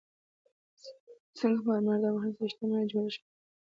سنگ مرمر د افغانستان د اجتماعي جوړښت برخه ده.